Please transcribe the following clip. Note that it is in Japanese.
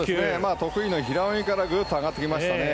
得意の平泳ぎからぐっと上がってきましたね。